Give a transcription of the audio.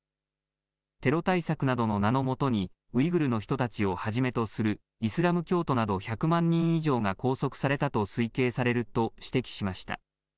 テロ対策などの名のもとにウイグルの人たちをはじめとするイスラム教徒など１００万人以上が拘束されたと推計されると指摘しました。